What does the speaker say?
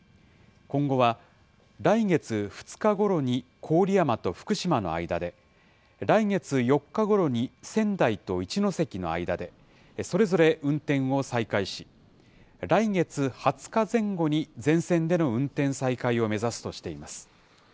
今後は来月２日ごろに郡山と福島の間で、来月４日ごろに仙台と一ノ関の間でそれぞれ運転を再開し、来月２０日前後に全線での運転再開を目指すとしています。